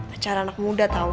acara anak muda tau